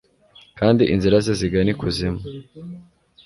Kandi inzira ze zigana ikuzimu